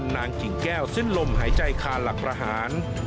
กิ่งแก้วสิ้นลมหายใจคาหลักประหาร